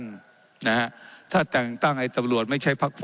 เจ้าหน้าที่ของรัฐมันก็เป็นผู้ใต้มิชชาท่านนมตรี